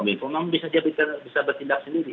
bisa bisa bisa bisa bertindak sendiri